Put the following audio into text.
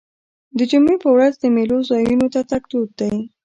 د جمعې په ورځ د میلو ځایونو ته تګ دود دی.